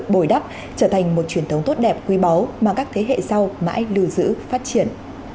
bồi đắp trở thành một truyền thống tốt đẹp quý báu mà các thế hệ sau mãi lưu giữ phát triển